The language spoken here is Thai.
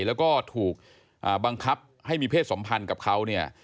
แล้วก็ถูกบังคับให้มีเพศสมพันธ์กับเขาเนี่ย